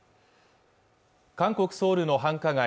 韓国ソウルの繁華街